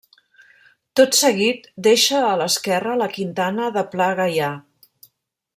Tot seguit deixa a l'esquerra la Quintana de Pla Gaià.